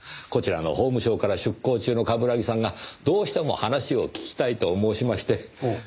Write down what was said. こちらの法務省から出向中の冠城さんがどうしても話を聞きたいと申しまして。